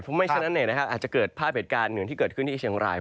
เพราะไม่ฉะนั้นอาจจะเกิดภาพเหตุการณ์เหมือนที่เกิดขึ้นที่เชียงราย